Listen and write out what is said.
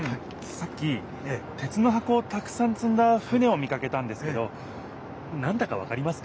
さっき鉄の箱をたくさんつんだ船を見かけたんですけどなんだかわかりますか？